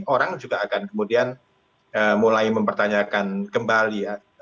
orang juga akan kemudian mulai mempertanyakan kembali ya